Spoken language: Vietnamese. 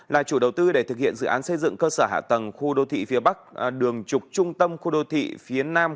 là chủ đầu tư để thực hiện dự án xây dựng cơ sở hạ tầng khu đô thị phía bắc đường trục trung tâm khu đô thị phía nam